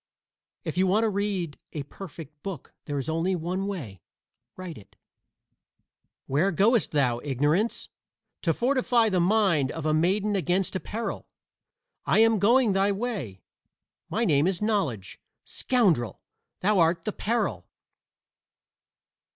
If you want to read a perfect book there is only one way: write it. "Where goest thou, Ignorance?" "To fortify the mind of a maiden against a peril." "I am going thy way. My name is Knowledge." "Scoundrel! Thou art the peril."